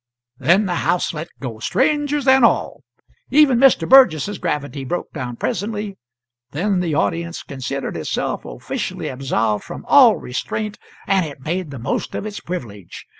Then the house let go, strangers and all. Even Mr. Burgess's gravity broke down presently, then the audience considered itself officially absolved from all restraint, and it made the most of its privilege.